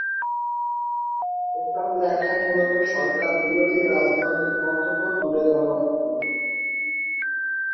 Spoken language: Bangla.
এসব লেখায় মূলত সরকার বিরোধী রাজনৈতিক মন্তব্য তুলে ধরা হত।